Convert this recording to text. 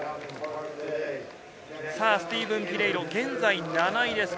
スティーブン・ピネイロ、現在７位です。